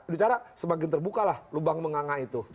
bicara semakin terbuka lah lubang menganga itu